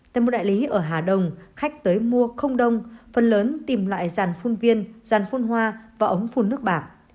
tại một đại lý ở hà đông khách tới mua không đông phần lớn tìm loại ràn phun viên ràn phun hoa và ống phun nước bạc